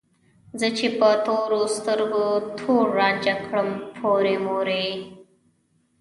زه چې په تورو سترګو تور رانجه کړم پورې مورې